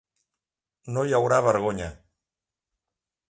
No hi haurà vergonya.